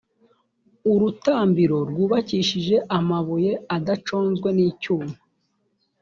urutambiro rwubakishije amabuye adaconzwe n’icyuma;